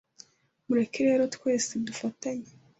mureke rero twese dufatanye